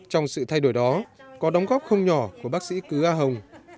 trong sự thay đổi đó có đóng góp không nhỏ của bác sĩ cứ a hồng